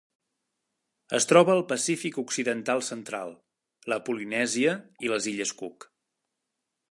Es troba al Pacífic occidental central: la Polinèsia i les illes Cook.